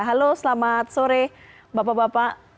halo selamat sore bapak bapak